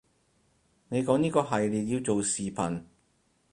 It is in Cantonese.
你講呢個系列要做視頻